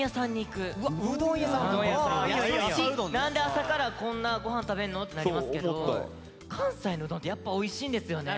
何で朝からこんな御飯食べんの？ってなりますけど関西のうどんってやっぱおいしいんですよね。